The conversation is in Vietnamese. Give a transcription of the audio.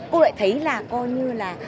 cô lại thấy là coi như là